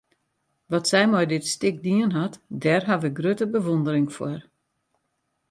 Wat sy mei dit stik dien hat, dêr haw ik grutte bewûndering foar.